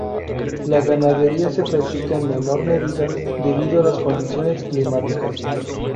La ganadería se practica en menor medida debido a las condiciones climáticas.